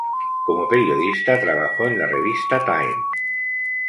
Como periodista trabajó en la revista "Time".